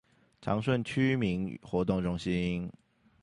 長順區民活動中心